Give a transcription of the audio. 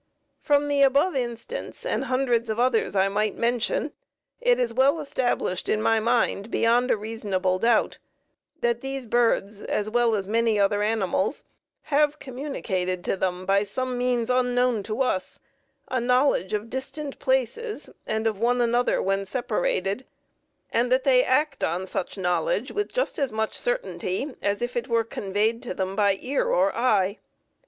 From the above instance and hundreds of others I might mention, it is well established in my mind beyond a reasonable doubt, that these birds, as well as many other animals, have communicated to them by some means unknown to us, a knowledge of distant places, and of one another when separated, and that they act on such knowledge with just as much certainty as if it were conveyed to them by ear or eye.